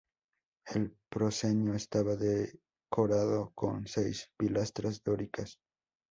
El proscenio estaba decorado con seis pilastras dóricas.